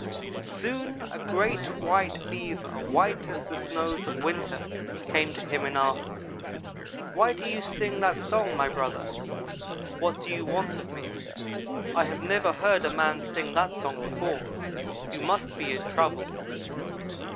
"Soon a great white Beaver white as the snows of winter came to him and asked: 'Why do you sing that song, my brother? What do you want of me? I have never heard a man sing that song before. You must be in trouble.'